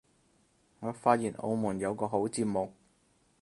我發現澳門有個好節目